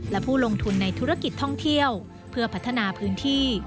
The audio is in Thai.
และผู้ลงทุนในธุรกิจท่องเที่ยวเพื่อพัฒนาพื้นที่